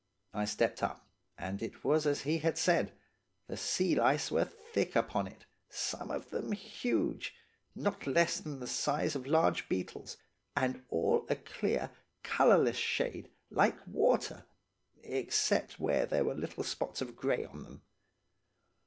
I stepped up, and it was as he had said; the sea lice were thick upon it, some of them huge, not less than the size of large beetles, and all a clear, colourless shade, like water, except where there were little spots of grey on them.